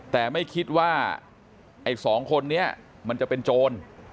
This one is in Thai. แต่ไม่คิดว่าไอ้สองคนนี้มันจะเป็นโจร